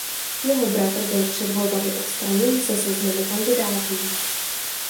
Jeho bratr byl před volbami odstraněn ze seznamu kandidátů.